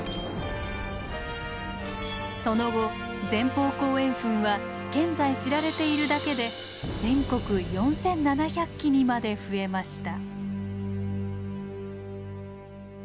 その後前方後円墳は現在知られているだけで全国４，７００基にまで増えました。